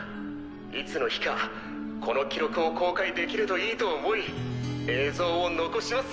いつの日かこの記録を公開できるといいと思い映像を残します。